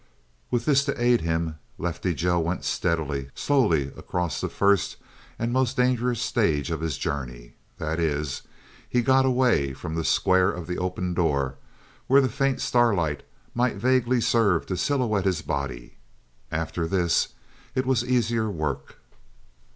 With this to aid him, Lefty Joe went steadily, slowly across the first and most dangerous stage of his journey. That is, he got away from the square of the open door, where the faint starlight might vaguely serve to silhouette his body. After this, it was easier work.